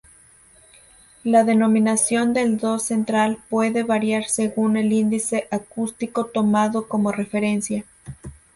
La denominación del do central puede variar según el índice acústico tomado como referencia.